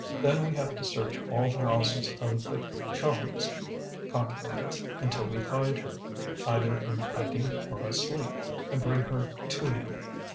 Then we have to search all the houses of the Choms (concubines) until we find her, either in hiding or asleep, and bring her to him.